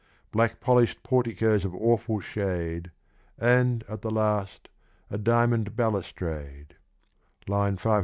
Black polish'd porticos of awful shade, And, at the last, a diamond balustrade : (II.